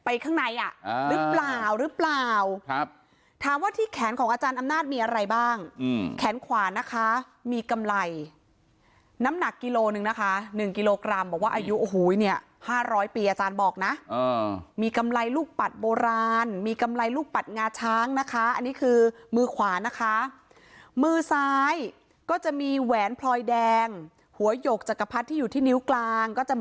ข้างในอ่ะหรือเปล่าหรือเปล่าครับถามว่าที่แขนของอาจารย์อำนาจมีอะไรบ้างแขนขวานะคะมีกำไรน้ำหนักกิโลหนึ่งนะคะ๑กิโลกรัมบอกว่าอายุโอ้โหเนี่ย๕๐๐ปีอาจารย์บอกนะมีกำไรลูกปัดโบราณมีกำไรลูกปัดงาช้างนะคะอันนี้คือมือขวานะคะมือซ้ายก็จะมีแหวนพลอยแดงหัวหยกจักรพรรดิที่อยู่ที่นิ้วกลางก็จะ